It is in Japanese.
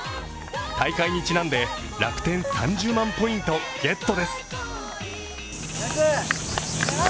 大会にちなんで楽天・３０万ポイントゲットです。